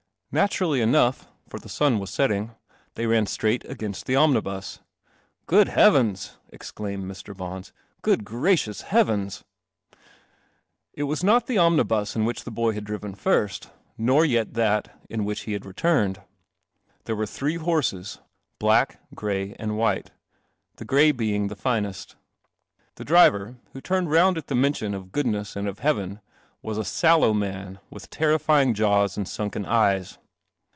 Natur ally enough (for the sun was setting) they ran straight against the omnibus. " Good heavens !" exclaimed Mr. Bons. " Good gracious heavens !" It was not the omnibus in which the boy had driven first, nor yet that in which he had returned. There were three horses — black, gray, and white, the gray being the finest. The driver, who turned round at the mention of goodness and of heaven, was a sallow man with terrifying jaws and sunken eyes.